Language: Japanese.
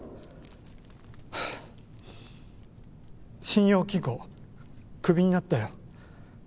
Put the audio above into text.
信用金庫クビになったよ。